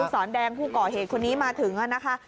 สอนแดงผู้ก่อเหตุคนนี้มาถึงนะคะ